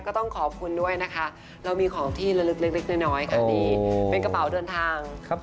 ชุกวะเข็กแรได้นะครับพี่ตามสวัสดีครับ